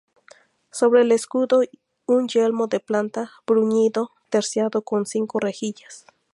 Sobre el escudo un yelmo de plata, bruñido, terciado y con cinco rejillas.